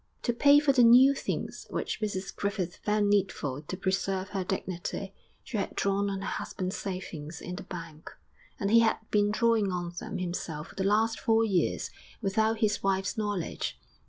To pay for the new things which Mrs Griffith felt needful to preserve her dignity, she had drawn on her husband's savings in the bank; and he had been drawing on them himself for the last four years without his wife's knowledge.